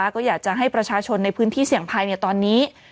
ก็อยากจะให้ประชาชนในพื้นที่เสี่ยงภัยตอนนี้